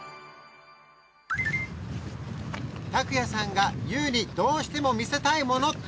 拓哉さんがＹＯＵにどうしても見せたいものって？